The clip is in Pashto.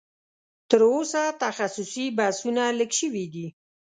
تر اوسه تخصصي بحثونه لږ شوي دي